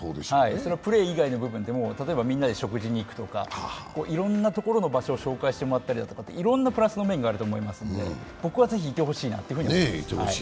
プレー以外の部分でも例えばみんなで食事に行くとかいろんなところの場所を紹介してもらったりだとかいろんなプラスの面があると思いますので僕はぜひ行ってほしいなと思います。